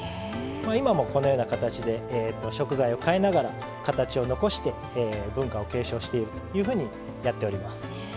今もこのような形で食材を変えながら形を残して文化を継承しているというふうにやっております。